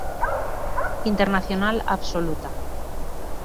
Internacional absoluta.